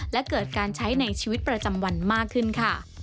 และเกิดการใช้ในชีวิตประจำวันมากขึ้นค่ะ